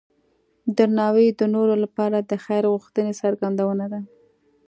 درناوی د نورو لپاره د خیر غوښتنې څرګندونه ده.